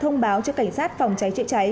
thông báo cho cảnh sát phòng cháy trễ cháy